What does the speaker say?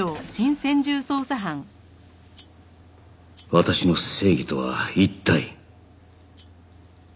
私の正義とは一体